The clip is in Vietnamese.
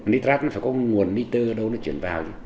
nitrat nó phải có nguồn nitr đâu nó chuyển vào